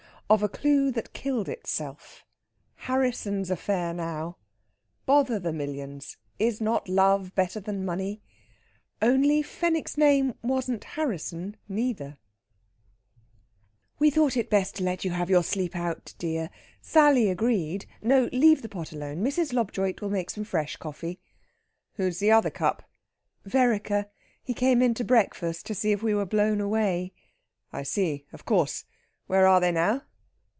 OF A CLUE THAT KILLED ITSELF. HARRISSON'S AFFAIR NOW! BOTHER THE MILLIONS! IS NOT LOVE BETTER THAN MONEY? ONLY FENWICK'S NAME WASN'T HARRISSON NEITHER "We thought it best to let you have your sleep out, dear. Sally agreed. No, leave the pot alone. Mrs. Lobjoit will make some fresh coffee." "Who's the other cup?" "Vereker. He came in to breakfast; to see if we were blown away." "I see. Of course. Where are they now?"